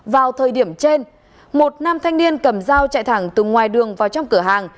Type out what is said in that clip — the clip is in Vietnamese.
vào thời điểm trên một nam thanh niên cầm dao chạy thẳng từ ngoài đường vào trong cửa hàng